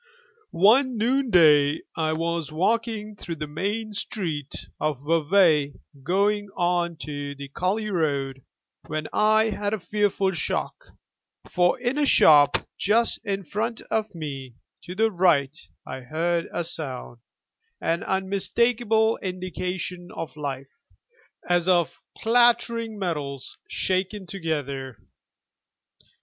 One noon day I was walking through the main street of Vevay going on to the Cully road when I had a fearful shock, for in a shop just in front of me to the right I heard a sound an unmistakable indication of life as of clattering metals shaken together.